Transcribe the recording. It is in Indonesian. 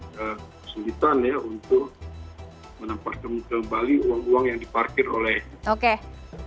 kembalikan untuk menampak kembali uang uang yang diparkir oleh